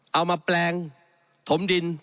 เอามาแปลงถมดิน